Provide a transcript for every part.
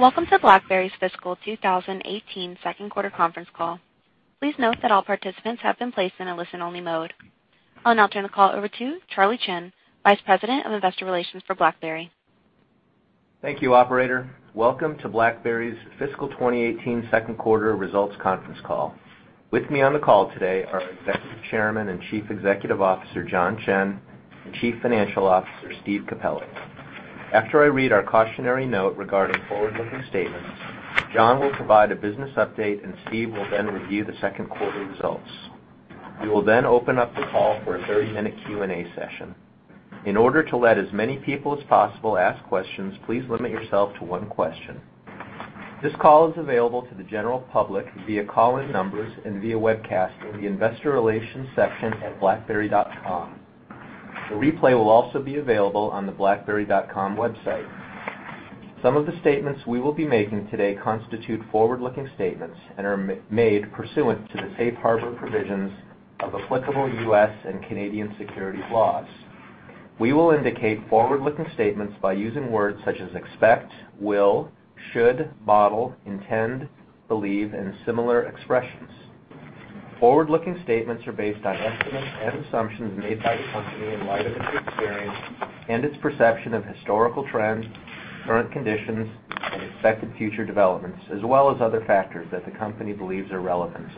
Welcome to BlackBerry's fiscal 2018 second quarter conference call. Please note that all participants have been placed in a listen-only mode. I'll now turn the call over to Charlie Chen, Vice President of Investor Relations for BlackBerry. Thank you, operator. Welcome to BlackBerry's fiscal 2018 second quarter results conference call. With me on the call today are Executive Chairman and Chief Executive Officer, John Chen, and Chief Financial Officer, Steve Capello. After I read our cautionary note regarding forward-looking statements, John will provide a business update, Steve will then review the second quarter results. We will then open up the call for a 30-minute Q&A session. In order to let as many people as possible ask questions, please limit yourself to one question. This call is available to the general public via call-in numbers and via webcast in the investor relations section at blackberry.com. The replay will also be available on the blackberry.com website. Some of the statements we will be making today constitute forward-looking statements and are made pursuant to the safe harbor provisions of applicable U.S. and Canadian securities laws. We will indicate forward-looking statements by using words such as expect, will, should, model, intend, believe, and similar expressions. Forward-looking statements are based on estimates and assumptions made by the company in light of its experience and its perception of historical trends, current conditions, and expected future developments, as well as other factors that the company believes are relevant.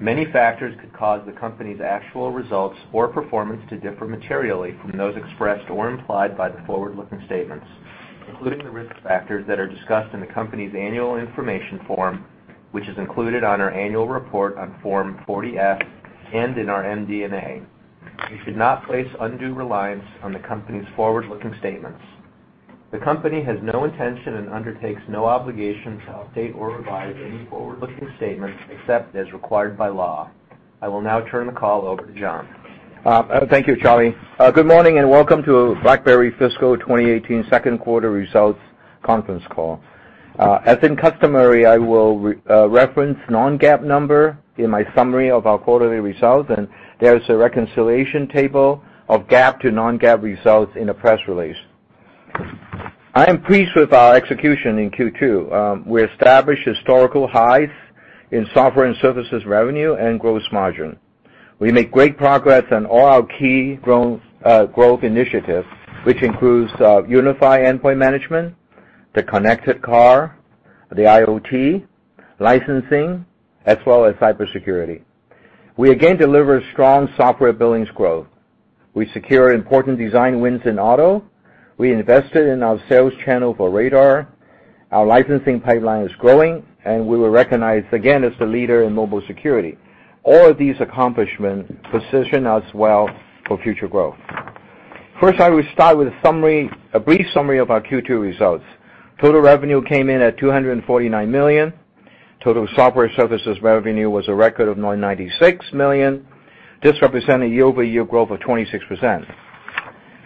Many factors could cause the company's actual results or performance to differ materially from those expressed or implied by the forward-looking statements, including the risk factors that are discussed in the company's annual information form, which is included on our annual report on Form 40-F and in our MD&A. You should not place undue reliance on the company's forward-looking statements. The company has no intention and undertakes no obligation to update or revise any forward-looking statements except as required by law. I will now turn the call over to John. Thank you, Charlie. Good morning and welcome to BlackBerry Fiscal 2018 second quarter results conference call. As in customary, I will reference non-GAAP number in my summary of our quarterly results, there is a reconciliation table of GAAP to non-GAAP results in the press release. I am pleased with our execution in Q2. We established historical highs in software and services revenue and gross margin. We make great progress on all our key growth initiatives, which includes unified endpoint management, the connected car, the IoT, licensing, as well as cybersecurity. We again deliver strong software billings growth. We secure important design wins in auto. We invested in our sales channel for Radar. Our licensing pipeline is growing, we were recognized again as the leader in mobile security. All of these accomplishments position us well for future growth. First, I will start with a brief summary of our Q2 results. Total revenue came in at $249 million. Total software services revenue was a record of $196 million. This represents a year-over-year growth of 26%.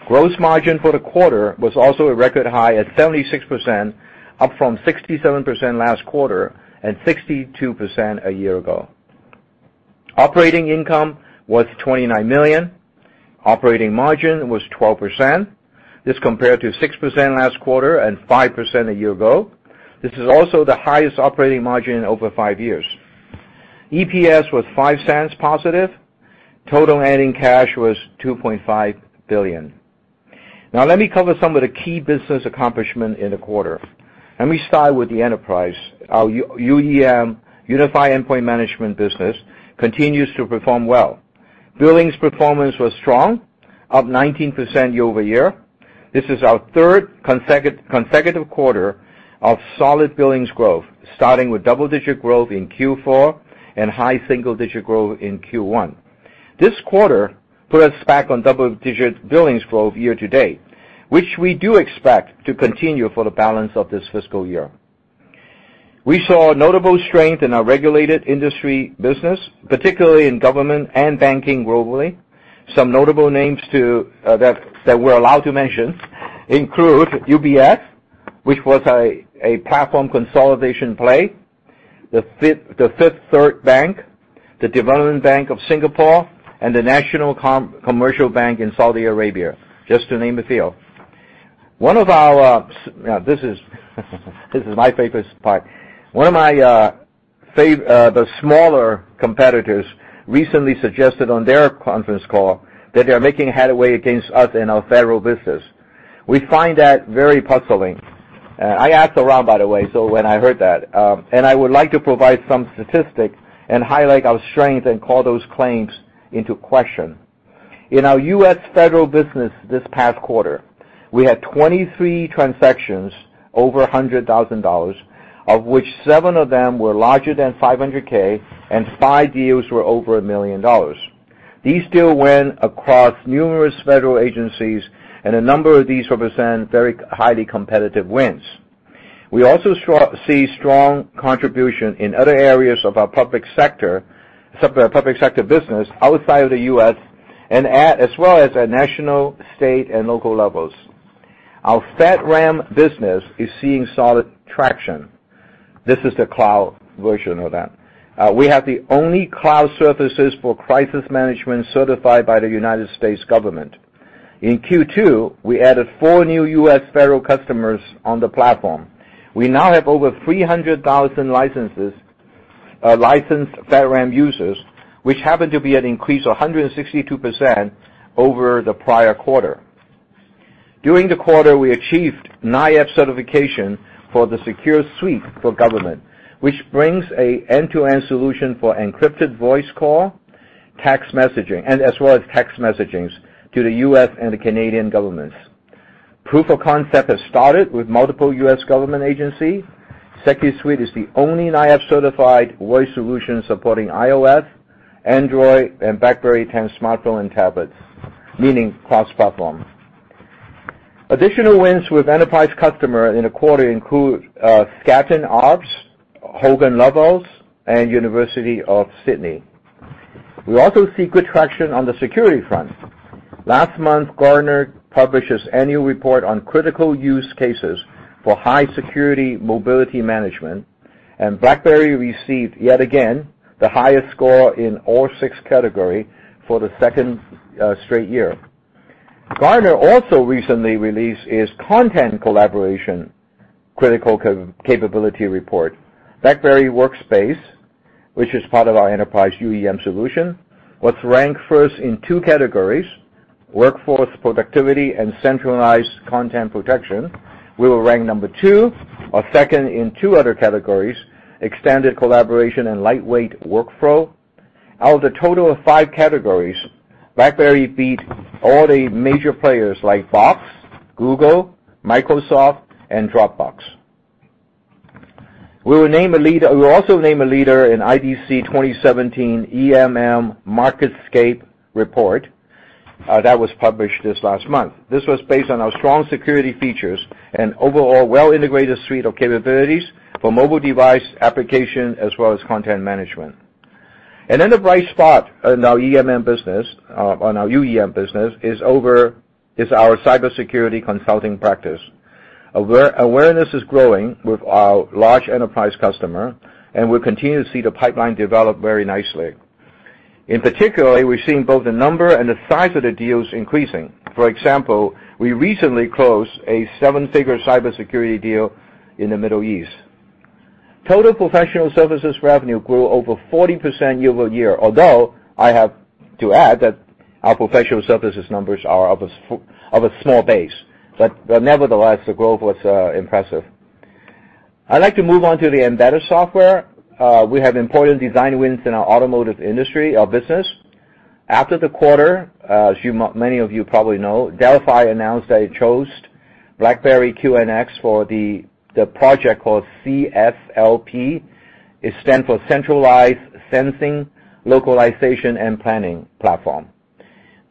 Gross margin for the quarter was also a record high at 76%, up from 67% last quarter and 62% a year ago. Operating income was $29 million. Operating margin was 12%. This compared to 6% last quarter and 5% a year ago. This is also the highest operating margin in over five years. EPS was $0.05 positive. Total ending cash was $2.5 billion. Let me cover some of the key business accomplishments in the quarter. Let me start with the enterprise. Our UEM, Unified Endpoint Management business, continues to perform well. Billings performance was strong, up 19% year-over-year. This is our third consecutive quarter of solid billings growth, starting with double-digit growth in Q4 and high single-digit growth in Q1. This quarter put us back on double-digit billings growth year-to-date, which we do expect to continue for the balance of this fiscal year. We saw notable strength in our regulated industry business, particularly in government and banking globally. Some notable names that we're allowed to mention include UBS, which was a platform consolidation play, the Fifth Third Bank, the Development Bank of Singapore, and the National Commercial Bank in Saudi Arabia, just to name a few. This is my favorite part. One of the smaller competitors recently suggested on their conference call that they are making headway against us in our federal business. We find that very puzzling. I asked around, by the way, when I heard that. I would like to provide some statistics and highlight our strengths and call those claims into question. In our U.S. federal business this past quarter, we had 23 transactions over $100,000, of which seven of them were larger than 500K, and five deals were over $1 million. These deals went across numerous federal agencies, and a number of these represent very highly competitive wins. We also see strong contribution in other areas of our public sector business outside of the U.S., as well as at national, state, and local levels. Our FedRAMP business is seeing solid traction. This is the cloud version of that. We have the only cloud services for crisis management certified by the United States government. In Q2, we added four new U.S. federal customers on the platform. We now have over 300,000 licensed FedRAMP users, which happen to be an increase of 162% over the prior quarter. During the quarter, we achieved NIAP certification for the SecuSUITE for Government, which brings an end-to-end solution for encrypted voice call, text messaging, as well as text messaging to the U.S. and the Canadian governments. Proof of Concept has started with multiple U.S. government agencies. SecuSUITE is the only NIAP-certified voice solution supporting iOS, Android, and BlackBerry 10 smartphones and tablets, meaning cross-platform. Additional wins with enterprise customers in the quarter include Scotiabank, Hogan Lovells, and The University of Sydney. We also see good traction on the security front. Last month, Gartner published its annual report on critical use cases for high security mobility management, and BlackBerry received, yet again, the highest score in all six categories for the second straight year. Gartner also recently released its content collaboration critical capability report. BlackBerry Workspaces, which is part of our enterprise UEM solution, was ranked first in two categories, workforce productivity and centralized content protection. We were ranked number two or second in two other categories, extended collaboration and lightweight workflow. Out of the total of five categories, BlackBerry beat all the major players like Box, Google, Microsoft, and Dropbox. We were also named a leader in IDC 2017 EMM MarketScape report that was published this last month. This was based on our strong security features and overall well-integrated suite of capabilities for mobile device application as well as content management. An enterprise spot in our UEM business is our cybersecurity consulting practice. Awareness is growing with our large enterprise customer, and we continue to see the pipeline develop very nicely. In particular, we're seeing both the number and the size of the deals increasing. For example, we recently closed a seven-figure cybersecurity deal in the Middle East. Total professional services revenue grew over 40% year-over-year. I have to add that our professional services numbers are of a small base. Nevertheless, the growth was impressive. I'd like to move on to the embedded software. We have important design wins in our automotive industry business. After the quarter, as many of you probably know, Delphi announced that it chose BlackBerry QNX for the project called CSLP. It stands for Centralized Sensing, Localization and Planning platform.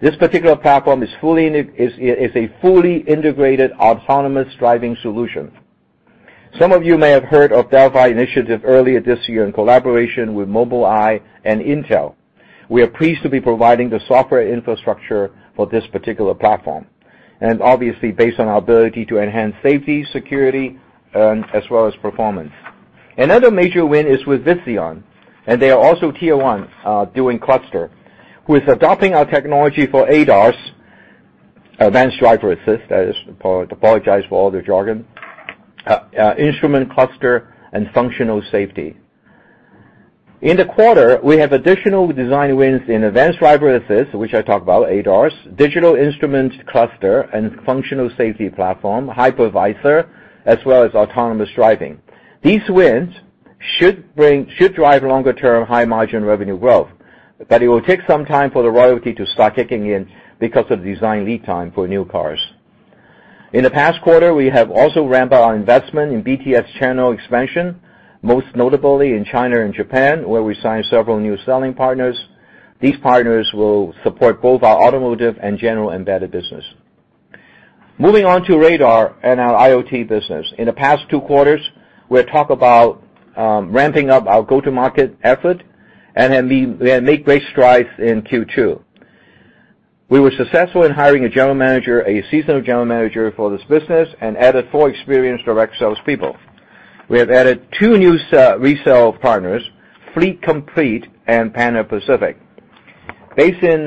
This particular platform is a fully integrated autonomous driving solution. Some of you may have heard of Delphi initiative earlier this year in collaboration with Mobileye and Intel. We are pleased to be providing the software infrastructure for this particular platform, and obviously based on our ability to enhance safety, security, as well as performance. Another major win is with Visteon, and they are also Tier 1 doing cluster, who is adopting our technology for ADAS, Advanced Driver Assist, I apologize for all the jargon, instrument cluster and functional safety. In the quarter, we have additional design wins in advanced driver assist, which I talked about, ADAS, digital instrument cluster and functional safety platform, Hypervisor, as well as autonomous driving. These wins should drive longer term high margin revenue growth, but it will take some time for the royalty to start kicking in because of design lead time for new cars. In the past quarter, we have also ramped up our investment in BTS channel expansion, most notably in China and Japan, where we signed several new selling partners. These partners will support both our automotive and general embedded business. Moving on to Radar and our IoT business. In the past two quarters, we have talked about ramping up our go-to-market effort and we have made great strides in Q2. We were successful in hiring a seasonal general manager for this business and added four experienced direct salespeople. We have added two new resale partners, Fleet Complete and Pana-Pacific. Based in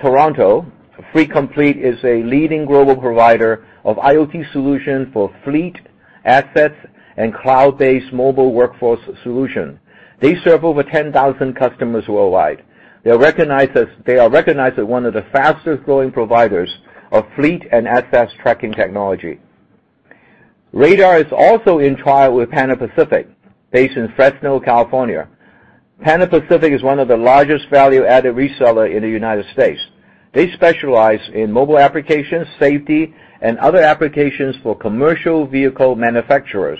Toronto, Fleet Complete is a leading global provider of IoT solution for fleet, assets, and cloud-based mobile workforce solution. They serve over 10,000 customers worldwide. They are recognized as one of the fastest-growing providers of fleet and assets tracking technology. Radar is also in trial with Pana-Pacific, based in Fresno, California. Pana-Pacific is one of the largest value-added reseller in the U.S. They specialize in mobile applications, safety, and other applications for commercial vehicle manufacturers.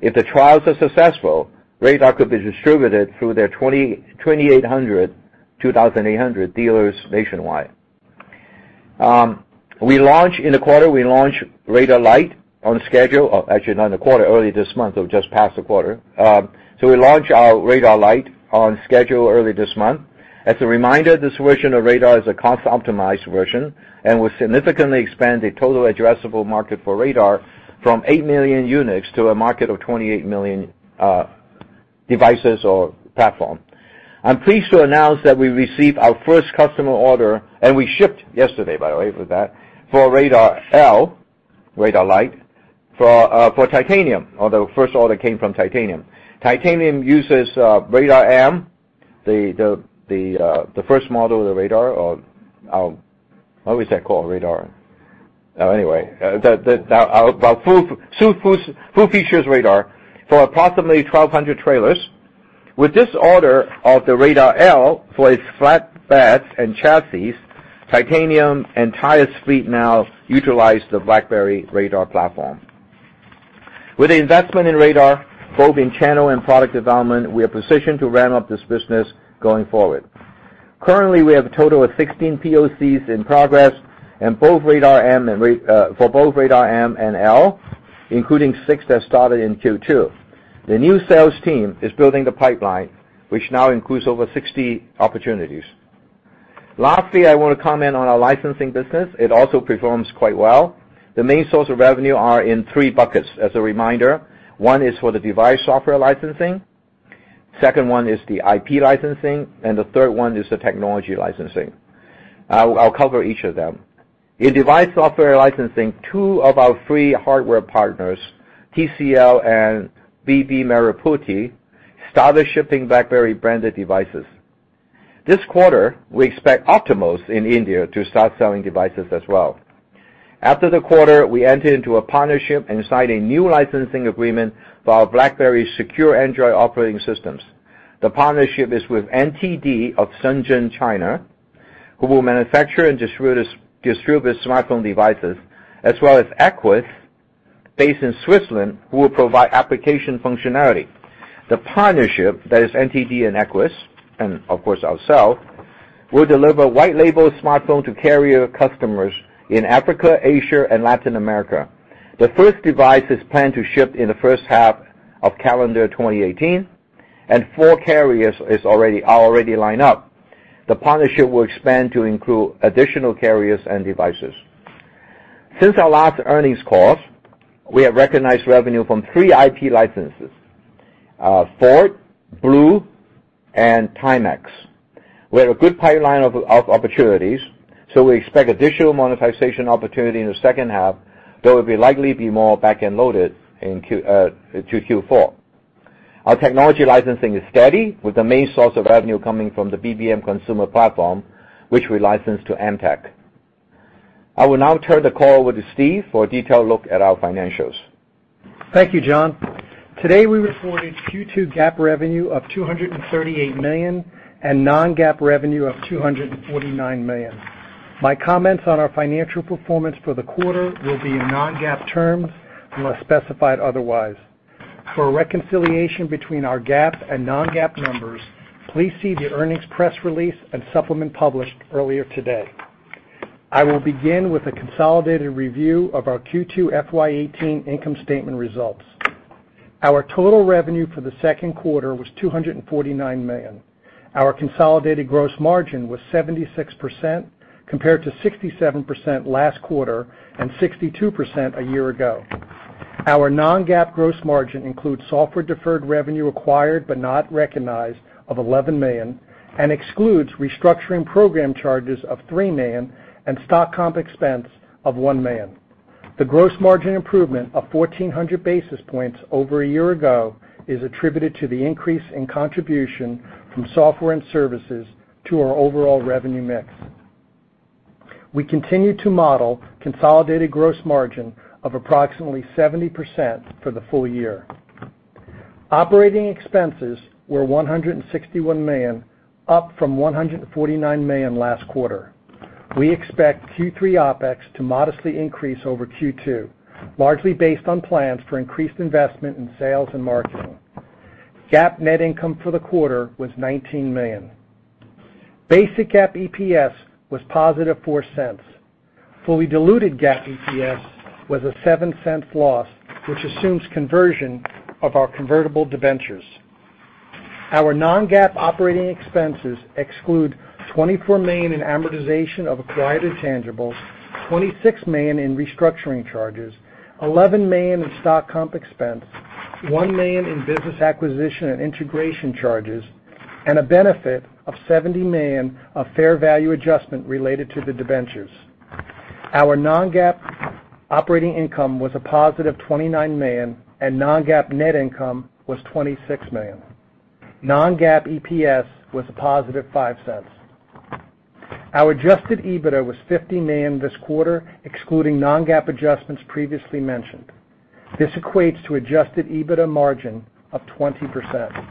If the trials are successful, Radar could be distributed through their 2,800 dealers nationwide. In the quarter, we launched Radar Lite on schedule. Actually, not in the quarter, early this month, or just passed the quarter. We launched our Radar Lite on schedule early this month. As a reminder, this version of Radar is a cost-optimized version and will significantly expand the total addressable market for Radar from 8 million units to a market of 28 million devices or platform. I'm pleased to announce that we received our first customer order, and we shipped yesterday, by the way, with that, for Radar-L, Radar Lite, for Titanium, although first order came from Titanium. Titanium uses Radar-M, the first model of the Radar. What was that called? Radar. Anyway, full features Radar for approximately 1,200 trailers. With this order of the Radar-L for its flat beds and chassis, Titanium entire fleet now utilize the BlackBerry Radar platform. With the investment in Radar, both in channel and product development, we are positioned to ramp up this business going forward. Currently, we have a total of 16 POCs in progress, and for both Radar-M and -L, including six that started in Q2. The new sales team is building the pipeline, which now includes over 60 opportunities. Lastly, I want to comment on our licensing business. It also performs quite well. The main source of revenue are in three buckets. As a reminder, one is for the device software licensing, second one is the IP licensing, and the third one is the technology licensing. I'll cover each of them. In device software licensing, two of our three hardware partners, TCL and BB Merah Putih, started shipping BlackBerry branded devices. This quarter, we expect Optiemus in India to start selling devices as well. After the quarter, we entered into a partnership and signed a new licensing agreement for our BlackBerry Secure Android operating systems. The partnership is with NTD of Shenzhen, China, who will manufacture and distribute smartphone devices, as well as EQUIIS, based in Switzerland, who will provide application functionality. The partnership, that is NTD and EQUIIS, and of course, ourselves, will deliver white label smartphone to carrier customers in Africa, Asia and Latin America. The first device is planned to ship in the first half of calendar 2018, and four carriers are already line up. The partnership will expand to include additional carriers and devices. Since our last earnings call, we have recognized revenue from three IP licenses, Ford, BLU, and Timex. We have a good pipeline of opportunities. We expect additional monetization opportunity in the second half, though it will likely be more back-end loaded to Q4. Our technology licensing is steady, with the main source of revenue coming from the BBM consumer platform, which we licensed to Emtek. I will now turn the call over to Steve for a detailed look at our financials. Thank you, John. Today, we reported Q2 GAAP revenue of $238 million and non-GAAP revenue of $249 million. My comments on our financial performance for the quarter will be in non-GAAP terms, unless specified otherwise. For a reconciliation between our GAAP and non-GAAP numbers, please see the earnings press release and supplement published earlier today. I will begin with a consolidated review of our Q2 FY 2018 income statement results. Our total revenue for the second quarter was $249 million. Our consolidated gross margin was 76%, compared to 67% last quarter and 62% a year ago. Our non-GAAP gross margin includes software deferred revenue acquired but not recognized of $11 million and excludes restructuring program charges of $3 million and stock comp expense of $1 million. The gross margin improvement of 1,400 basis points over a year ago is attributed to the increase in contribution from software and services to our overall revenue mix. We continue to model consolidated gross margin of approximately 70% for the full year. Operating expenses were $161 million, up from $149 million last quarter. We expect Q3 OpEx to modestly increase over Q2, largely based on plans for increased investment in sales and marketing. GAAP net income for the quarter was $19 million. Basic GAAP EPS was positive $0.04. Fully diluted GAAP EPS was a $0.07 loss, which assumes conversion of our convertible debentures. Our non-GAAP operating expenses exclude $24 million in amortization of acquired intangibles, $26 million in restructuring charges, $11 million in stock comp expense, $1 million in business acquisition and integration charges, and a benefit of $70 million of fair value adjustment related to the debentures. Our non-GAAP operating income was a positive $29 million, and non-GAAP net income was $26 million. Non-GAAP EPS was a positive $0.05. Our adjusted EBITDA was $50 million this quarter, excluding non-GAAP adjustments previously mentioned. This equates to adjusted EBITDA margin of 20%.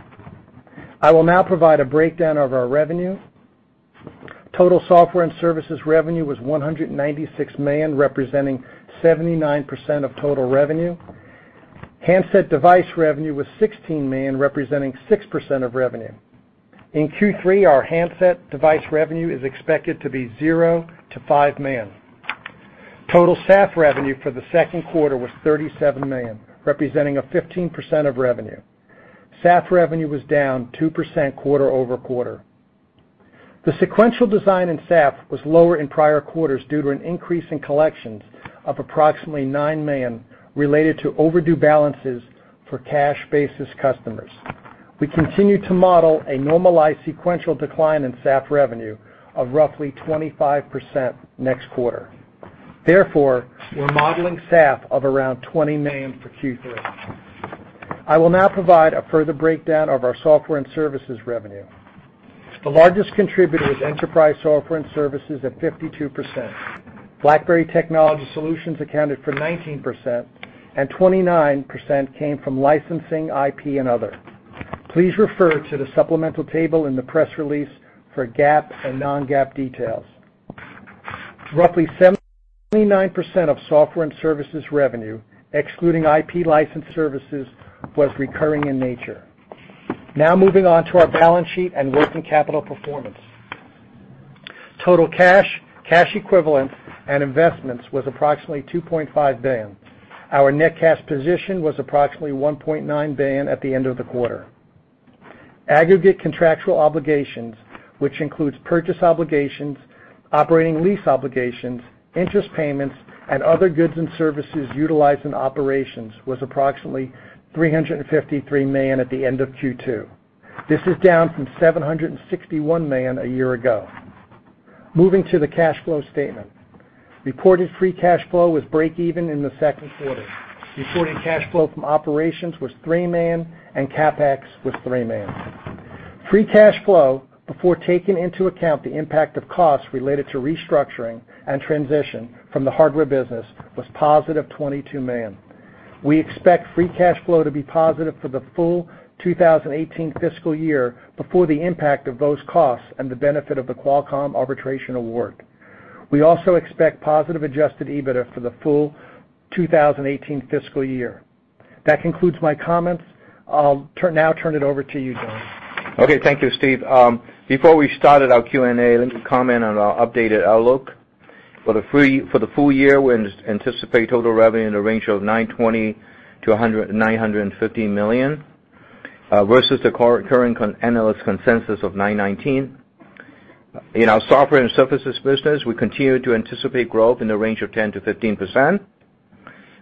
I will now provide a breakdown of our revenue. Total software and services revenue was $196 million, representing 79% of total revenue. Handset device revenue was $16 million, representing 6% of revenue. In Q3, our handset device revenue is expected to be $0-$5 million. Total SaaS revenue for the second quarter was $37 million, representing a 15% of revenue. SaaS revenue was down 2% quarter-over-quarter. The sequential decline in SaaS was lower in prior quarters due to an increase in collections of approximately $9 million related to overdue balances for cash-basis customers. We continue to model a normalized sequential decline in SaaS revenue of roughly 25% next quarter. Therefore, we're modeling SaaS of around $20 million for Q3. I will now provide a further breakdown of our software and services revenue. The largest contributor was enterprise software and services at 52%. BlackBerry Technology Solutions accounted for 19%, and 29% came from licensing IP and other. Please refer to the supplemental table in the press release for GAAP and non-GAAP details. Roughly 79% of software and services revenue, excluding IP license services, was recurring in nature. Now moving on to our balance sheet and working capital performance. Total cash equivalents, and investments was approximately $2.5 billion. Our net cash position was approximately $1.9 billion at the end of the quarter. Aggregate contractual obligations, which includes purchase obligations, operating lease obligations, interest payments, and other goods and services utilized in operations, was approximately $353 million at the end of Q2. This is down from $761 million a year ago. Moving to the cash flow statement. Reported free cash flow was break even in the second quarter. Reported cash flow from operations was $3 million, and CapEx was $3 million. Free cash flow before taking into account the impact of costs related to restructuring and transition from the hardware business was positive $22 million. We expect free cash flow to be positive for the full 2018 fiscal year before the impact of those costs and the benefit of the Qualcomm arbitration award. We also expect positive adjusted EBITDA for the full 2018 fiscal year. That concludes my comments. I'll now turn it over to you, John. Okay. Thank you, Steve. Before we start it, our Q&A, let me comment on our updated outlook. For the full year, we anticipate total revenue in the range of $920 million to $950 million, versus the current analyst consensus of $919 million. In our software and services business, we continue to anticipate growth in the range of 10%-15%.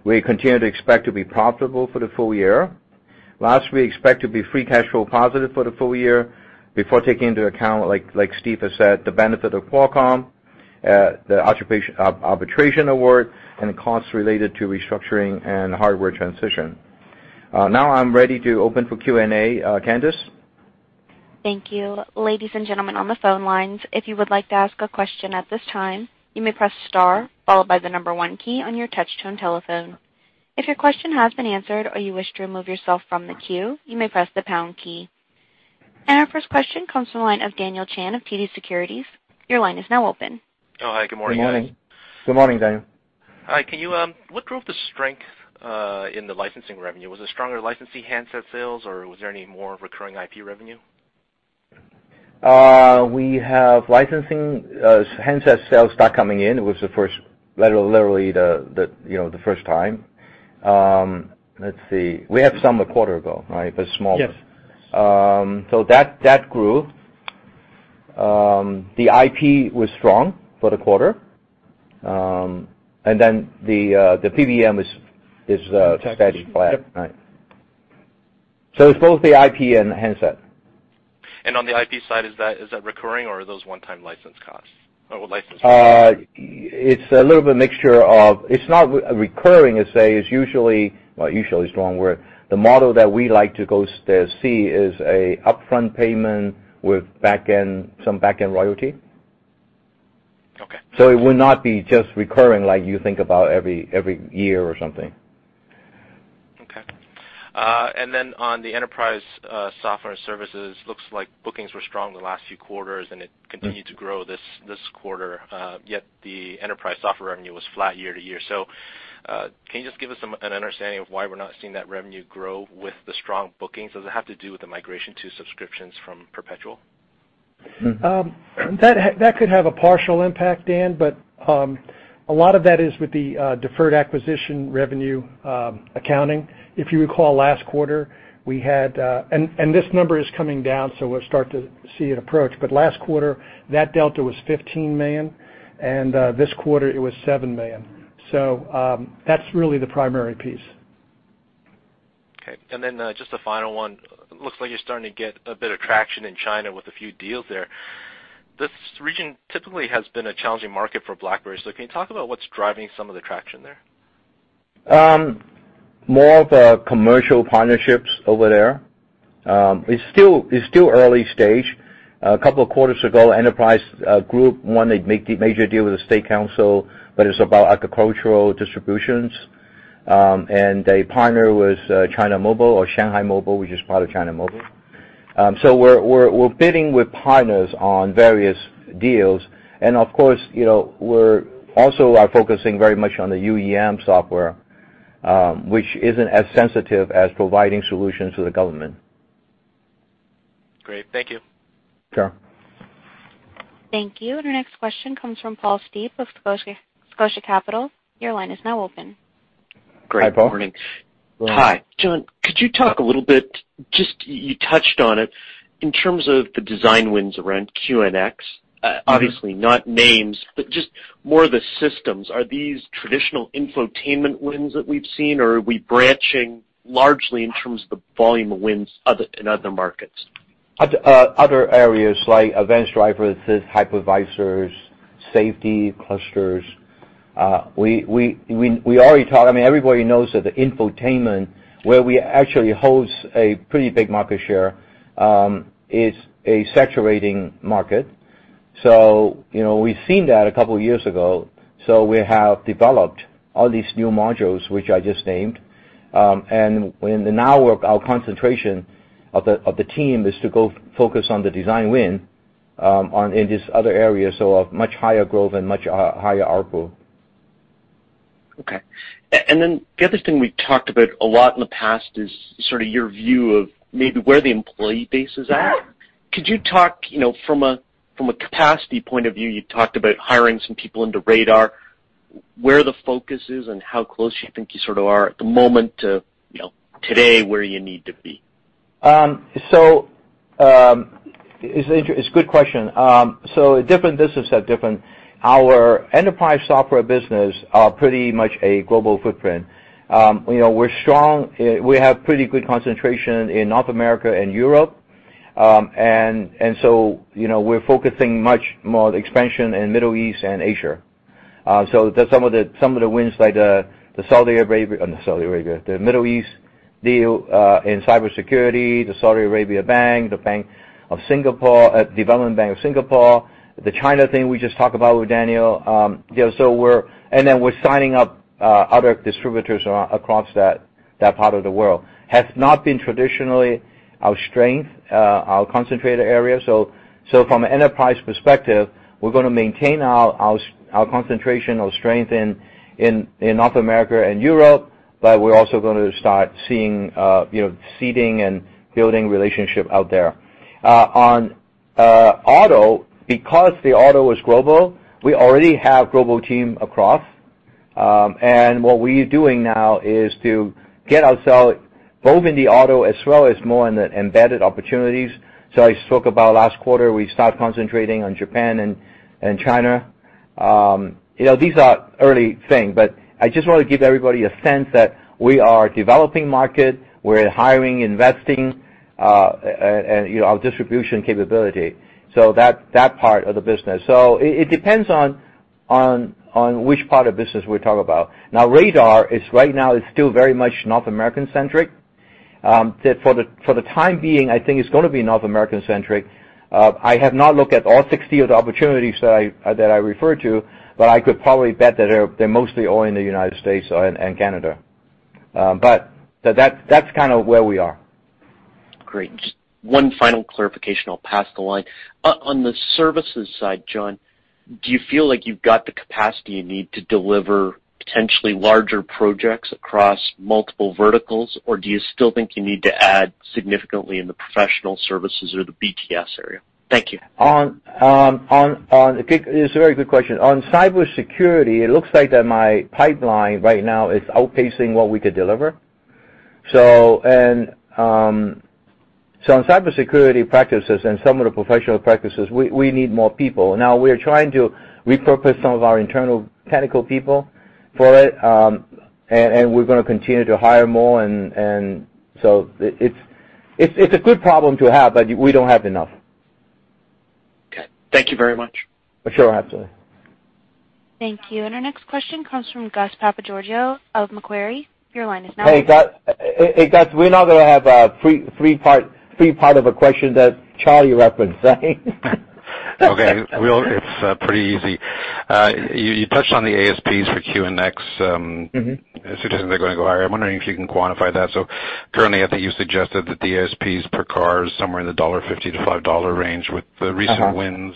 We continue to expect to be profitable for the full year. Last, we expect to be free cash flow positive for the full year before taking into account, like Steve has said, the benefit of Qualcomm, the arbitration award, and the costs related to restructuring and hardware transition. Now I'm ready to open for Q&A. Candice? Thank you. Ladies and gentlemen on the phone lines, if you would like to ask a question at this time, you may press star followed by the 1 key on your touch-tone telephone. If your question has been answered or you wish to remove yourself from the queue, you may press the pound key. Our first question comes from the line of Daniel Chan of TD Securities. Your line is now open. Hi. Good morning, guys. Good morning, Daniel. Hi. What drove the strength in the licensing revenue? Was it stronger licensee handset sales, or was there any more recurring IP revenue? We have licensing handset sales start coming in. It was literally the first time. Let's see. We had some a quarter ago, right? Small. Yes. That grew. The IP was strong for the quarter. Tech. -stat flat. Yep. Right. It's both the IP and the handset. On the IP side, is that recurring, or are those one-time license costs? It's not recurring, I say. It's usually, well, usually is the wrong word. The model that we like to go see is a upfront payment with some back-end royalty. Okay. It would not be just recurring like you think about every year or something. Okay. Then on the enterprise software services, looks like bookings were strong the last few quarters, and it continued to grow this quarter, yet the enterprise software revenue was flat year-over-year. Can you just give us an understanding of why we're not seeing that revenue grow with the strong bookings? Does it have to do with the migration to subscriptions from perpetual? That could have a partial impact, Dan, a lot of that is with the deferred acquisition revenue accounting. If you recall, last quarter, we had this number is coming down, so we'll start to see it approach. Last quarter, that delta was $15 million, and this quarter, it was $7 million. That's really the primary piece. Okay. Then just a final one. Looks like you're starting to get a bit of traction in China with a few deals there. This region typically has been a challenging market for BlackBerry, can you talk about what's driving some of the traction there? More of a commercial partnerships over there. It's still early stage. A couple of quarters ago, enterprise group won a major deal with the State Council, but it's about agricultural distributions. They partner with China Mobile or Shanghai Mobile, which is part of China Mobile. We're bidding with partners on various deals. Of course, we are also focusing very much on the UEM software, which isn't as sensitive as providing solutions to the government Great. Thank you. Sure. Thank you. Our next question comes from Paul Steep of Scotia Capital. Your line is now open. Hi, Paul. Great. Good morning. Good morning. Hi. John, could you talk a little bit, just, you touched on it, in terms of the design wins around QNX. Obviously, not names, but just more the systems. Are these traditional infotainment wins that we've seen, or are we branching largely in terms of the volume of wins in other markets? Other areas like advanced driver-assist hypervisors, safety clusters. We already talked, everybody knows that the infotainment, where we actually holds a pretty big market share, is a saturating market. We've seen that a couple years ago, so we have developed all these new modules, which I just named. Now our concentration of the team is to go focus on the design win in this other area, so a much higher growth and much higher output. Okay. The other thing we talked about a lot in the past is sort of your view of maybe where the employee base is at. Yeah. Could you talk, from a capacity point of view, you talked about hiring some people into radar, where the focus is and how close you think you sort of are at the moment to today, where you need to be. It's a good question. Our enterprise software business are pretty much a global footprint. We're strong, we have pretty good concentration in North America and Europe. We're focusing much more expansion in Middle East and Asia. That's some of the wins, like the Saudi Arabia, not Saudi Arabia, the Middle East deal in cybersecurity, the Saudi Arabia bank, the Development Bank of Singapore, the China thing we just talked about with Daniel. We're signing up other distributors across that part of the world. It has not been traditionally our strength, our concentrated area. From an enterprise perspective, we're going to maintain our concentration or strength in North America and Europe, but we're also going to start seeing seeding and building relationship out there. On auto, because the auto is global, we already have global team across. What we are doing now is to get ourselves both in the auto as well as more in the embedded opportunities. I spoke about last quarter, we start concentrating on Japan and China. These are early thing, but I just want to give everybody a sense that we are developing market, we're hiring, investing, and our distribution capability. That part of the business. It depends on which part of business we talk about. Now, Radar, right now it's still very much North American centric. For the time being, I think it's going to be North American centric. I have not looked at all 60 of the opportunities that I referred to, but I could probably bet that they're mostly all in the U.S. or in Canada. That's kind of where we are. Great. Just one final clarification, I'll pass the line. On the services side, John, do you feel like you've got the capacity you need to deliver potentially larger projects across multiple verticals, or do you still think you need to add significantly in the professional services or the BTS area? Thank you. It's a very good question. On cybersecurity, it looks like that my pipeline right now is outpacing what we could deliver. On cybersecurity practices and some of the professional practices, we need more people. Now, we are trying to repurpose some of our internal technical people for it, and we're going to continue to hire more, it's a good problem to have, but we don't have enough. Okay. Thank you very much. Sure. Thank you. Our next question comes from Gus Papageorgiou of Macquarie. Your line is now open. Hey, Gus. We're now going to have a three part of a question that Charlie referenced, right? Okay. It's pretty easy. You touched on the ASPs for QNX. suggesting they're going to go higher. I'm wondering if you can quantify that. Currently, I think you suggested that the ASPs per car is somewhere in the $1.50-$5 range with the recent wins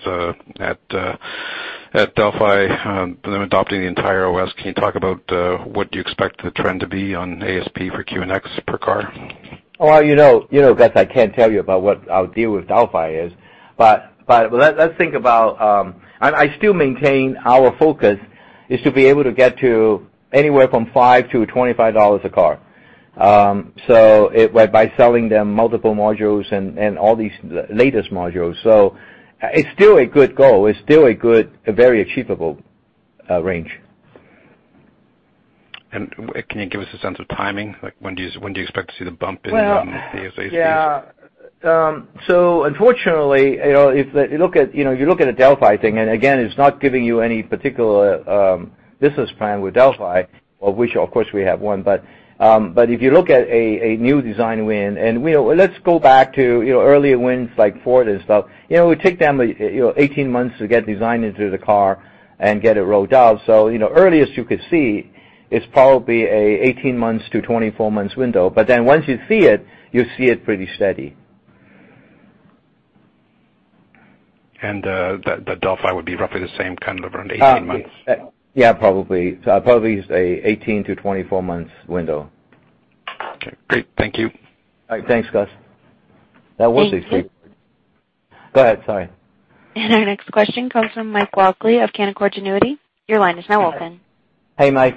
at Delphi, them adopting the entire OS. Can you talk about what you expect the trend to be on ASP for QNX per car? Well, Gus, I can't tell you about what our deal with Delphi is, but let's think about, and I still maintain our focus is to be able to get to anywhere from $5-$25 a car. By selling them multiple modules and all these latest modules. It's still a good goal. It's still a very achievable range. Can you give us a sense of timing, like when do you expect to see the bump in the ASPs? Yeah. Unfortunately, if you look at the Delphi thing, and again, it's not giving you any particular business plan with Delphi, of which of course we have one, but if you look at a new design win, and let's go back to earlier wins like Ford and stuff. We take them 18 months to get designed into the car and get it rolled out. Earliest you could see is probably a 18 months to 24 months window. Once you see it, you see it pretty steady. The Delphi would be roughly the same kind of around 18 months. Yeah, probably. I'd probably say 18 to 24 months window. Okay, great. Thank you. All right. Thanks, Gus. Thank you. Go ahead, sorry. Our next question comes from Mike Walkley of Canaccord Genuity. Your line is now open. Hey, Mike.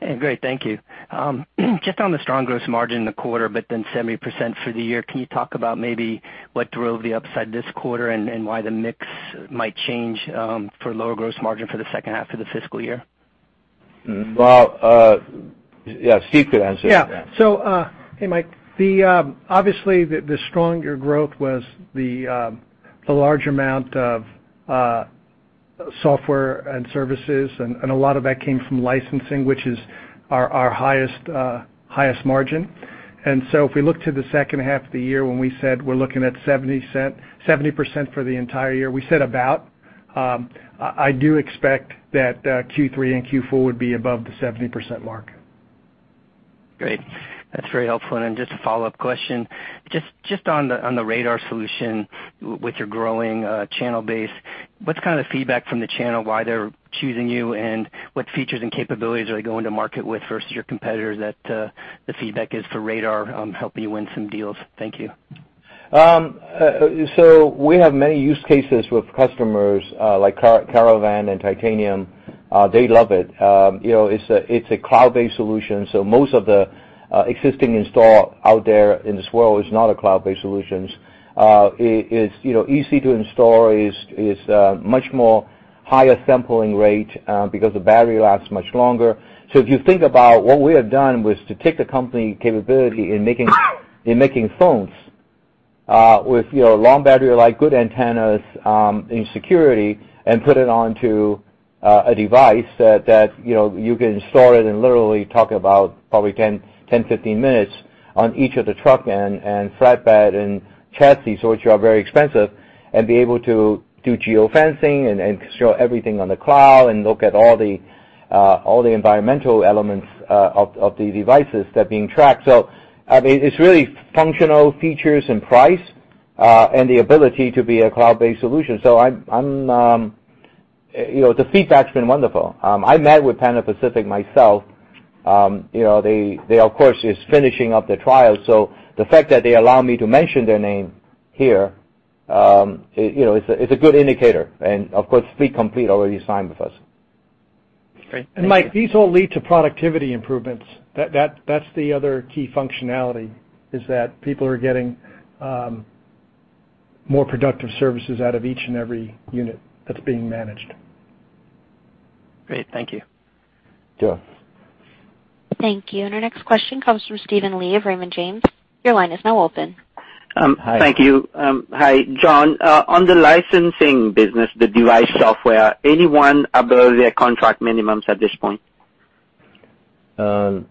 Hey, great. Thank you. Just on the strong gross margin in the quarter, 70% for the year, can you talk about maybe what drove the upside this quarter and why the mix might change, for lower gross margin for the second half of the fiscal year? Well, yeah, Steve could answer that. Yeah. Hey, Mike. Obviously, the stronger growth was the large amount of software and services, and a lot of that came from licensing, which is our highest margin. If we look to the second half of the year when we said we're looking at 70% for the entire year, we said about. I do expect that Q3 and Q4 would be above the 70% mark. Great. That's very helpful. Just a follow-up question. Just on the Radar solution with your growing channel base, what's kind of the feedback from the channel, why they're choosing you, and what features and capabilities are they going to market with versus your competitors that the feedback is for Radar, helping you win some deals? Thank you. We have many use cases with customers, like Caravan and Titanium. They love it. It's a cloud-based solution, most of the existing install out there in this world is not a cloud-based solutions. It is easy to install, is much more higher sampling rate, because the battery lasts much longer. If you think about what we have done was to take the company capability in making phones with long battery life, good antennas, and security, and put it onto a device that you can install it and literally talk about probably 10, 15 minutes on each of the truck and flatbed and chassis, which are very expensive, and be able to do geo-fencing and show everything on the cloud and look at all the environmental elements of the devices that are being tracked. I mean, it's really functional features and price, and the ability to be a cloud-based solution. The feedback's been wonderful. I met with Pana-Pacific myself. They, of course, is finishing up the trial. The fact that they allow me to mention their name here, it's a good indicator. Of course, Fleet Complete already signed with us. Great. Mike, these all lead to productivity improvements. That's the other key functionality, is that people are getting more productive services out of each and every unit that's being managed. Great. Thank you. Sure. Thank you. Our next question comes from Steven Li of Raymond James. Your line is now open. Thank you. Hi, John. On the licensing business, the device software, anyone above their contract minimums at this point? No,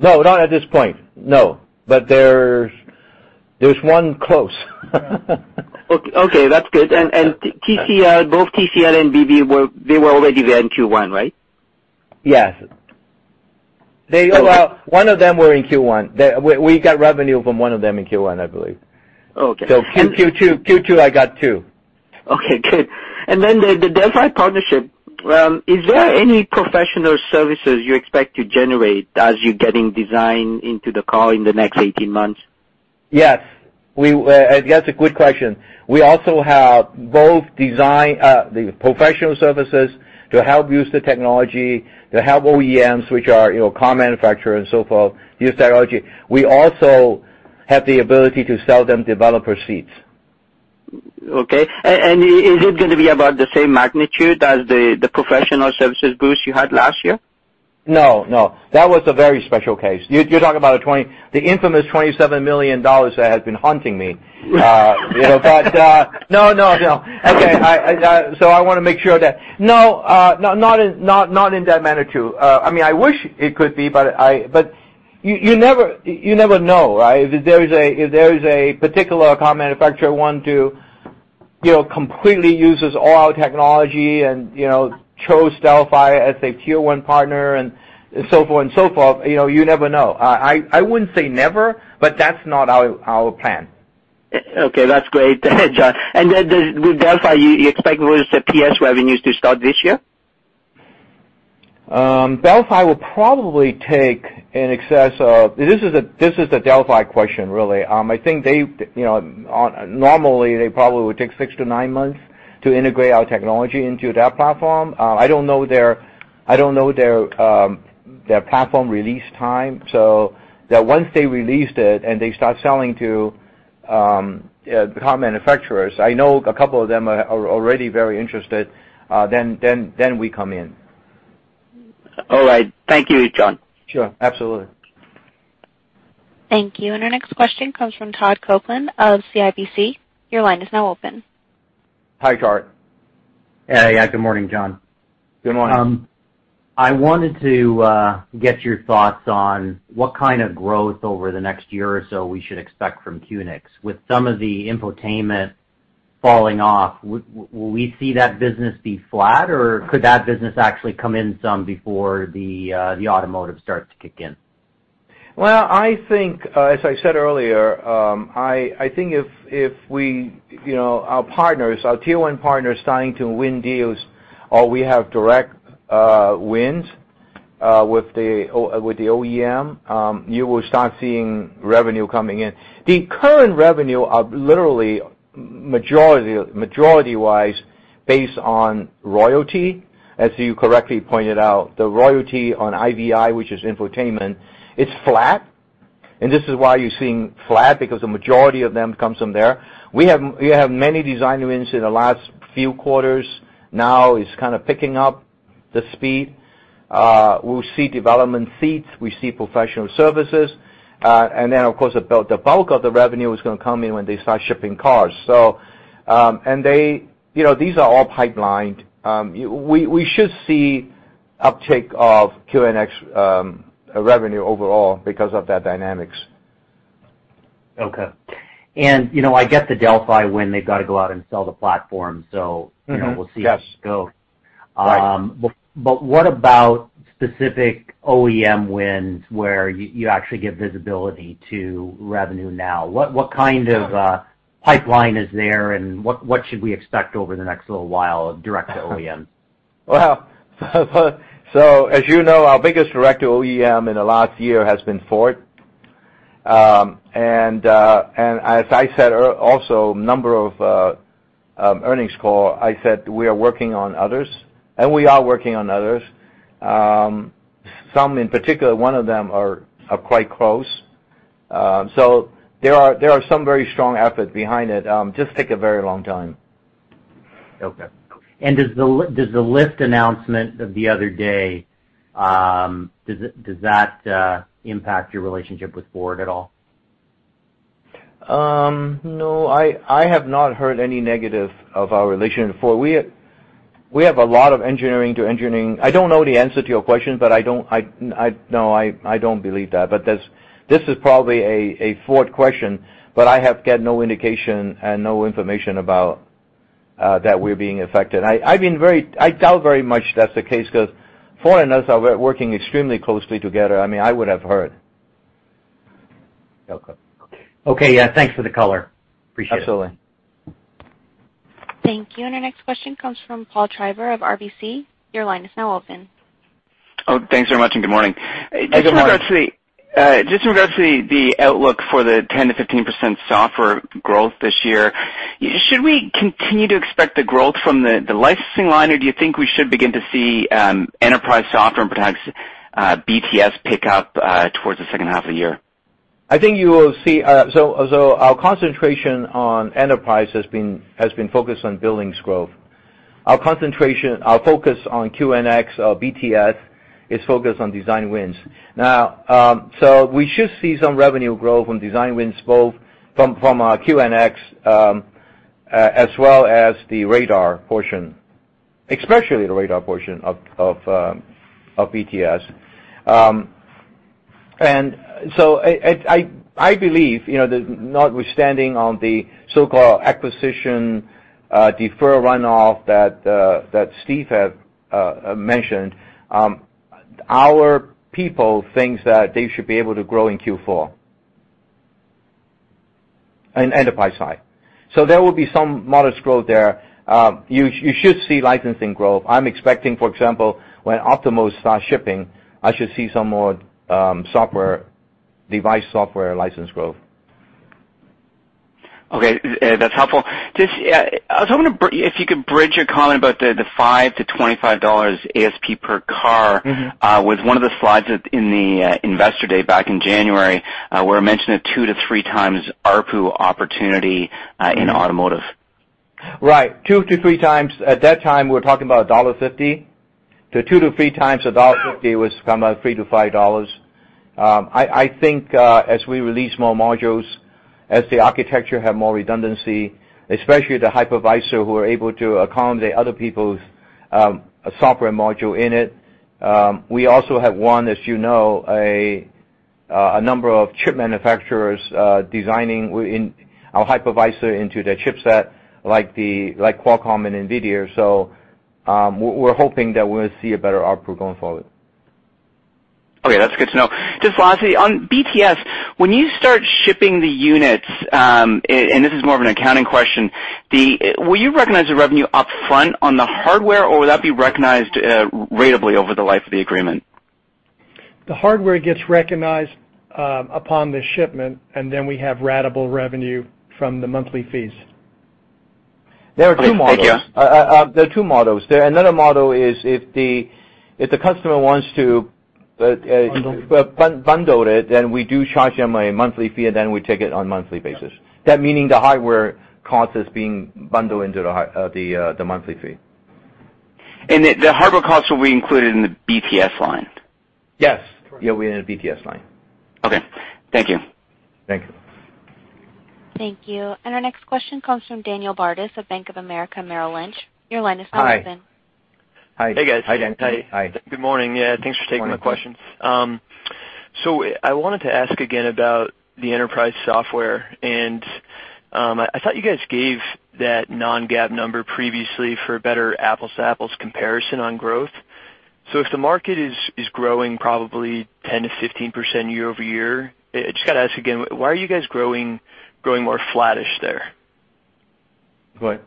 not at this point. No. There's one close. Okay, that's good. Both TCL and BB, they were already there in Q1, right? Yes. One of them were in Q1. We got revenue from one of them in Q1, I believe. Okay. In Q2, I got two. Okay, good. The Delphi partnership, is there any professional services you expect to generate as you're getting design into the car in the next 18 months? Yes. That's a good question. We also have both design, the professional services to help use the technology, to help OEMs, which are car manufacturer and so forth, use technology. We also have the ability to sell them developer seats. Okay. Is it going to be about the same magnitude as the professional services boost you had last year? No. That was a very special case. You're talking about the infamous $27 million that has been haunting me. No. Okay. I want to make sure of that. No, not in that magnitude. I wish it could be, but you never know, right? If there is a particular car manufacturer who want to completely use all our technology and chose Delphi as a tier 1 partner and so forth. You never know. I wouldn't say never, but that's not our plan. Okay. That's great, John. With Delphi, you expect those PS revenues to start this year? Delphi will probably take. This is a Delphi question, really. I think normally they probably would take six to nine months to integrate our technology into their platform. I don't know their platform release time. Once they released it and they start selling to car manufacturers, I know a couple of them are already very interested, then we come in. All right. Thank you, John. Sure. Absolutely. Thank you. Our next question comes from Todd Coupland of CIBC. Your line is now open. Hi, John. Hey. Good morning, John. Good morning. I wanted to get your thoughts on what kind of growth over the next year or so we should expect from QNX. With some of the infotainment falling off, will we see that business be flat, or could that business actually come in some before the automotive starts to kick in? Well, as I said earlier, I think if our tier 1 partners starting to win deals or we have direct wins with the OEM, you will start seeing revenue coming in. The current revenue are literally majority-wise based on royalty, as you correctly pointed out. The royalty on IVI, which is infotainment, it's flat, and this is why you're seeing flat, because the majority of them comes from there. We have many design wins in the last few quarters. Now it's kind of picking up the speed. We see development seats, we see professional services. Of course, the bulk of the revenue is going to come in when they start shipping cars. These are all pipelined. We should see uptick of QNX revenue overall because of that dynamics. Okay. I get the Delphi when they've got to go out and sell the platform, we'll see how it goes. Right. What about specific OEM wins where you actually give visibility to revenue now? What kind of pipeline is there, and what should we expect over the next little while of direct to OEM? As you know, our biggest direct to OEM in the last year has been Ford. As I said also, a number of earnings call, I said we are working on others, and we are working on others. Some, in particular, one of them are quite close. There are some very strong efforts behind it. It just takes a very long time. Okay. Does the Lyft announcement of the other day, does that impact your relationship with Ford at all? No, I have not heard any negative of our relationship with Ford. We have a lot of engineering to engineering. I don't know the answer to your question, but no, I don't believe that. This is probably a Ford question, but I have got no indication and no information about that we're being affected. I doubt very much that's the case because Ford and us are working extremely closely together. I would have heard. Okay. Yeah. Thanks for the color. Appreciate it. Absolutely. Thank you. Our next question comes from Paul Treiber of RBC. Your line is now open. Thanks very much, good morning. Good morning. In regards to the outlook for the 10%-15% software growth this year, should we continue to expect the growth from the licensing line, or do you think we should begin to see enterprise software and perhaps BTS pick up towards the second half of the year? Our concentration on enterprise has been focused on billings growth. Our focus on QNX or BTS is focused on design wins. We should see some revenue growth on design wins, both from our QNX as well as the Radar portion, especially the Radar portion of BTS. I believe, notwithstanding on the so-called acquisition deferral runoff that Steve Capello had mentioned, our people think that they should be able to grow in Q4 in enterprise side. There will be some modest growth there. You should see licensing growth. I'm expecting, for example, when Optiemus starts shipping, I should see some more device software license growth. Okay. That's helpful. I was wondering if you could bridge your comment about the $5-$25 ASP per car with one of the slides in the investor day back in January, where it mentioned a two to three times ARPU opportunity in automotive. Right. Two to three times. At that time, we're talking about $1.50 to two to three times $1.50 was kind of $3-$5. I think as we release more modules, as the architecture have more redundancy, especially the Hypervisor, who are able to accommodate other people's software module in it. We also have one, as you know, a number of chip manufacturers designing our Hypervisor into their chipset like Qualcomm and Nvidia. We're hoping that we'll see a better ARPU going forward. Okay, that's good to know. Just lastly, on BTS, when you start shipping the units, and this is more of an accounting question, will you recognize the revenue upfront on the hardware, or will that be recognized ratably over the life of the agreement? The hardware gets recognized upon the shipment, and then we have ratable revenue from the monthly fees. There are two models. Thank you. There are two models. Another model is if the customer wants to bundle it, then we do charge them a monthly fee, and then we take it on monthly basis. That meaning the hardware cost is being bundled into the monthly fee. The hardware costs will be included in the BTS line? Yes. Correct. Yeah, within the BTS line. Okay. Thank you. Thank you. Thank you. Our next question comes from Daniel Bartus of Bank of America Merrill Lynch. Your line is now open. Hi. Hey, guys. Hi, Daniel. Hi. Good morning. Yeah, thanks for taking my question. I wanted to ask again about the enterprise software and I thought you guys gave that non-GAAP number previously for a better apples to apples comparison on growth. If the market is growing probably 10%-15% year-over-year, I just got to ask again, why are you guys growing more flattish there? Right.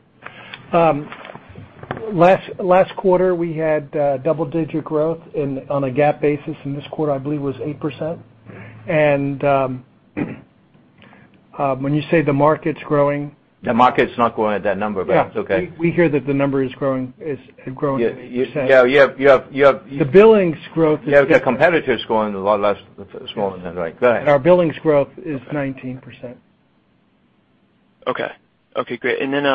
Last quarter, we had double-digit growth on a GAAP basis, this quarter, I believe, was 8%. When you say the market's growing- The market's not growing at that number, but that's okay. Yeah. We hear that the number had grown 8%. Yeah. The billings growth is- Yeah, the competitor is growing a lot less, smaller than that. Go ahead. Our billings growth is 19%. Okay. Okay, great. Then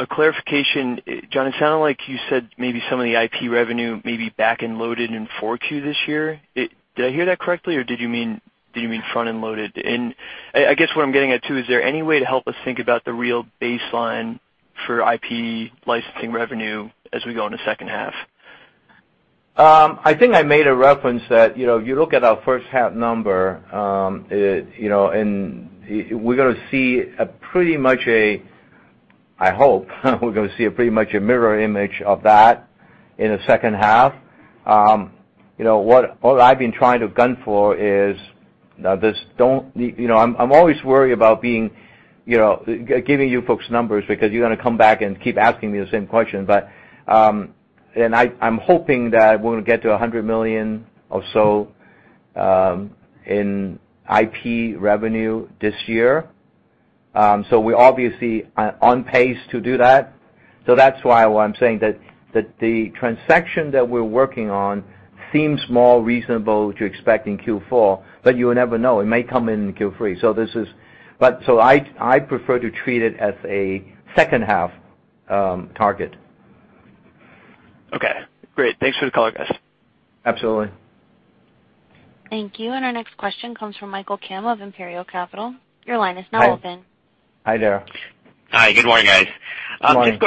a clarification, John, it sounded like you said maybe some of the IP revenue may be back-end loaded in 4Q this year. Did I hear that correctly, or did you mean front-end loaded? I guess what I'm getting at too, is there any way to help us think about the real baseline for IP licensing revenue as we go in the second half? I think I made a reference that, if you look at our first half number, I hope, we're going to see a pretty much a mirror image of that in the second half. What I've been trying to gun for is, I'm always worried about giving you folks numbers because you're going to come back and keep asking me the same question, I'm hoping that we're going to get to $100 million or so in IP revenue this year. We obviously are on pace to do that. That's why I'm saying that the transaction that we're working on seems more reasonable to expect in Q4, you will never know. It may come in Q3. I prefer to treat it as a second half target. Okay, great. Thanks for the color, guys. Absolutely. Thank you. Our next question comes from Michael Kim of Imperial Capital. Your line is now open. Hi there. Hi, good morning, guys. Good morning. Just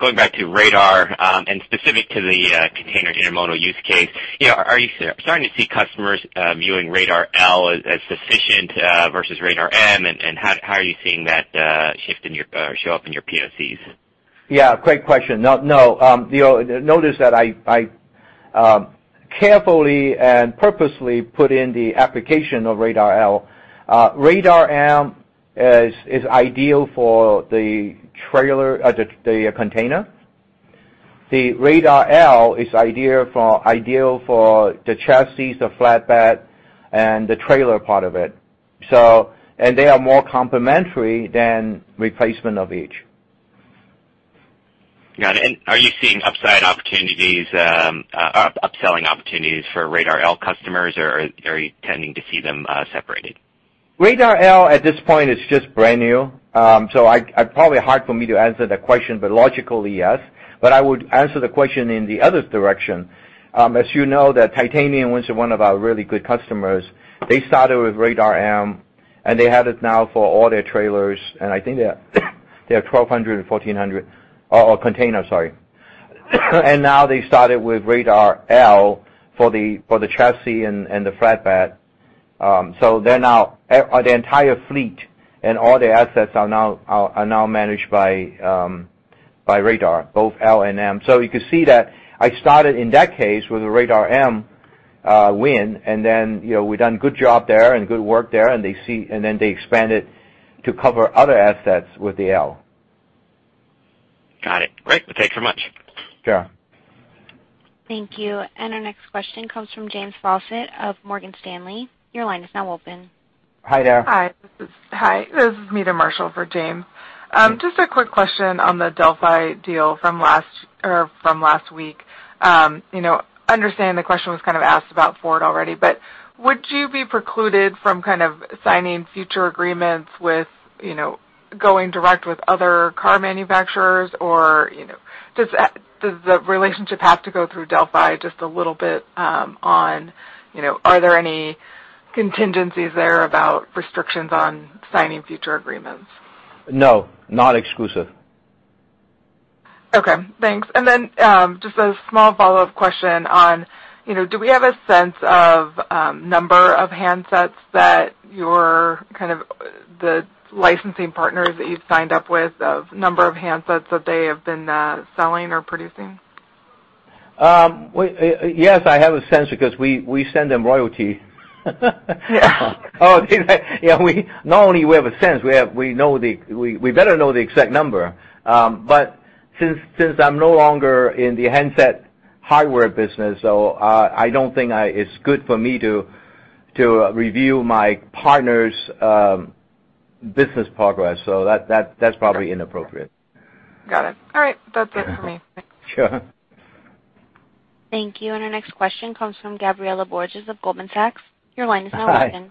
going back to Radar, and specific to the container intermodal use case, are you starting to see customers viewing Radar L as sufficient versus Radar M, and how are you seeing that shift show up in your POCs? Yeah, great question. No. Notice that I carefully and purposely put in the application of Radar L. Radar M is ideal for the container. The Radar L is ideal for the chassis, the flatbed, and the trailer part of it. They are more complementary than replacement of each. Got it. Are you seeing upselling opportunities for Radar L customers, or are you tending to see them separated? Radar-L at this point is just brand new. Probably hard for me to answer that question, but logically, yes. I would answer the question in the other direction. As you know, Titanium, which is one of our really good customers, they started with Radar-M, and they have it now for all their trailers, and I think they have 1,200 or 1,400 containers. Now they started with Radar-L for the chassis and the flatbed. Their entire fleet and all their assets are now managed by Radar, both Radar-L and Radar-M. You could see that I started, in that case, with a Radar-M win, we've done a good job there and good work there, and they expanded to cover other assets with the Radar-L. Got it. Great. Well, thanks so much. Sure. Thank you. Our next question comes from James Faucette of Morgan Stanley. Your line is now open. Hi there. Hi. This is Meta Marshall for James. Yeah. Just a quick question on the Delphi deal from last week. Understanding the question was kind of asked about Ford already, but would you be precluded from kind of signing future agreements with going direct with other car manufacturers? Does the relationship have to go through Delphi just a little bit on, are there any contingencies there about restrictions on signing future agreements? No, not exclusive. Okay, thanks. Just a small follow-up question on, do we have a sense of number of handsets that the licensing partners that you've signed up with, of number of handsets that they have been selling or producing? Yes, I have a sense because we send them royalty. Yeah. Not only we have a sense, we better know the exact number. Since I'm no longer in the handset hardware business, I don't think it's good for me to review my partner's business progress. That's probably inappropriate. Got it. All right. That's it for me. Thanks. Sure. Thank you. Our next question comes from Gabriela Borges of Goldman Sachs. Your line is now open. Hi.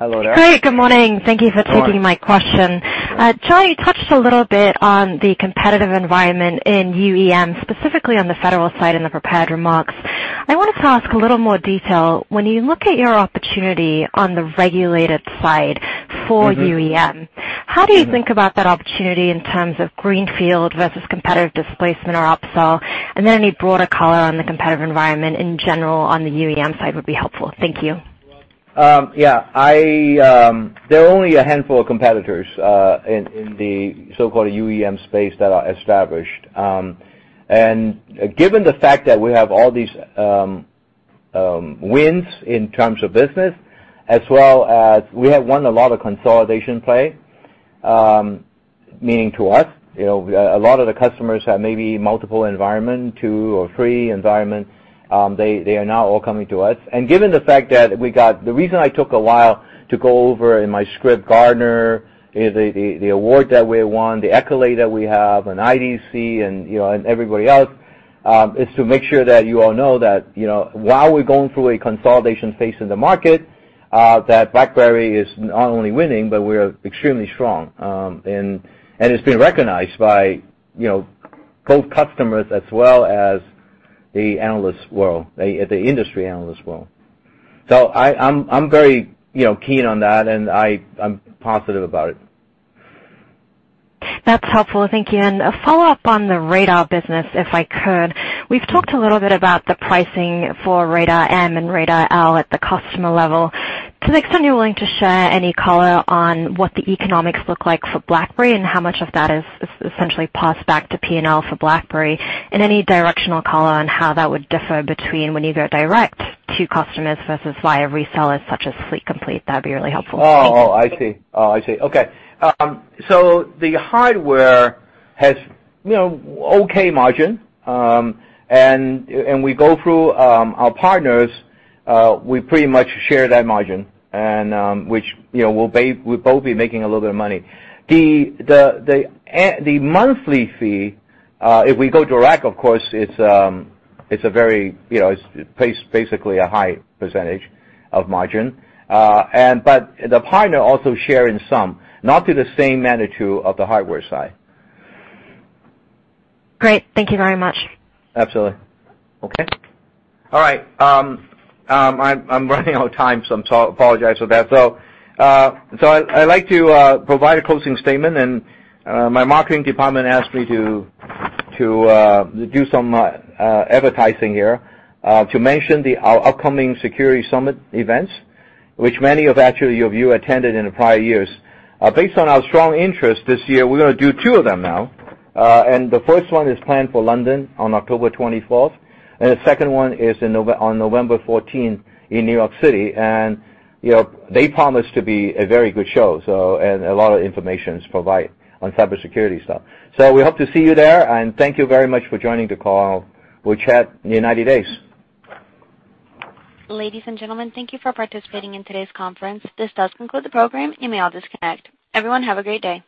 Hello there. Great. Good morning. Thank you for taking my question. Good morning. Charlie, you touched a little bit on the competitive environment in UEM, specifically on the federal side in the prepared remarks. I wanted to ask a little more detail. When you look at your opportunity on the regulated side for UEM. How do you think about that opportunity in terms of greenfield versus competitive displacement or upsell? Any broader color on the competitive environment in general on the UEM side would be helpful. Thank you. There are only a handful of competitors in the so-called UEM space that are established. Given the fact that we have all these wins in terms of business, as well as we have won a lot of consolidation play, meaning to us, a lot of the customers have maybe multiple environment, two or three environments. They are now all coming to us. The reason I took a while to go over in my script, Gartner, the award that we won, the accolade that we have, IDC and everybody else, is to make sure that you all know that, while we're going through a consolidation phase in the market, that BlackBerry is not only winning, but we're extremely strong. It's been recognized by both customers as well as the industry analyst world. I'm very keen on that, and I'm positive about it. That's helpful. Thank you. A follow-up on the Radar business, if I could. We've talked a little bit about the pricing for Radar-M and Radar-L at the customer level. To the extent you're willing to share any color on what the economics look like for BlackBerry and how much of that is essentially passed back to P&L for BlackBerry and any directional color on how that would differ between when you go direct to customers versus via resellers such as Fleet Complete, that'd be really helpful. Thank you. I see. The hardware has okay margin. We go through our partners, we pretty much share that margin, and we'll both be making a little bit of money. The monthly fee, if we go direct, of course, it's basically a high percentage of margin. The partner also share in some, not to the same magnitude of the hardware side. Great. Thank you very much. Absolutely. Okay. All right. I'm running out of time, I apologize for that. I'd like to provide a closing statement, and my marketing department asked me to do some advertising here, to mention our upcoming Security Summit events, which many of you attended in the prior years. Based on our strong interest this year, we're going to do two of them now. The first one is planned for London on October 24th, and the second one is on November 14th in New York City. They promise to be a very good show, and a lot of information is provided on cybersecurity stuff. We hope to see you there, and thank you very much for joining the call. We'll chat in 90 days. Ladies and gentlemen, thank you for participating in today's conference. This does conclude the program. You may all disconnect. Everyone, have a great day.